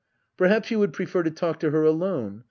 Perhaps you would prefer to talk to her alone